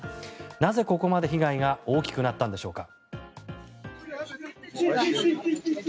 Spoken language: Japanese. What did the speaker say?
なぜ、ここまで被害が大きくなったんでしょうか。